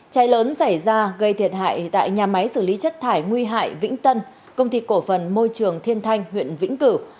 cháy lớn xảy ra gây thiệt hại tại nhà máy xử lý chất thải nguy hại vĩnh tân công ty cổ phần môi trường thiên thanh huyện vĩnh cửu